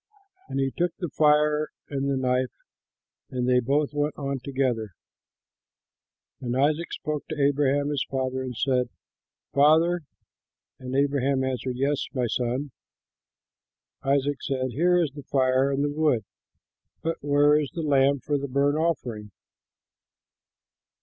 And he took the fire and the knife, and they both went on together. And Isaac spoke to Abraham his father and said, "My father!" and Abraham answered, "Yes, my son." Isaac said, "Here is the fire and the wood, but where is the lamb for a burnt offering?"